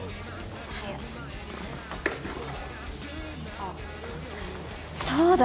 あっそうだ。